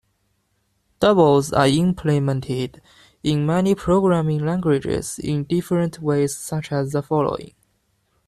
Doubles are implemented in many programming languages in different ways such as the following.